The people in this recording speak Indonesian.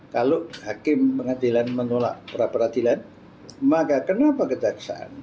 kalau hakim pengadilan menolak peradilan maka kenapa kejaksaan